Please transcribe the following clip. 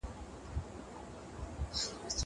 الله تعالی د اصحاب الاخدود قصه راته کړې ده.